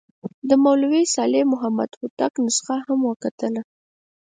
د مولوي صالح محمد هوتک نسخه هم وکتله.